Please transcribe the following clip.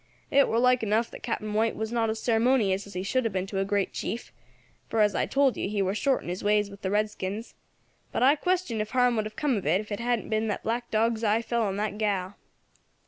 It war like enough that Captain White was not as ceremonious as he should have been to a great chief for, as I told you, he war short in his ways with the redskins but I question if harm would have come of it if it hadn't been that Black Dog's eye fell on that gal.